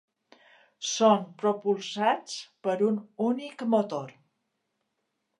Són propulsats per un únic motor.